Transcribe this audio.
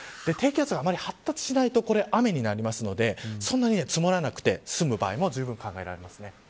低気圧があまり発達しないと雨になりますのでそんなに積もらなくてすむ場合があると考えられます。